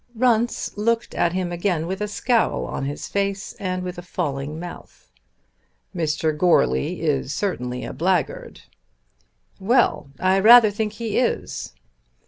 Runce looked at him again with a scowl on his face and with a falling mouth. "Mr. Goarly is certainly a blackguard." "Well; I rather think he is."